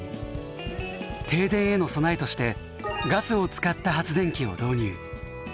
停電への備えとしてガスを使った発電機を導入。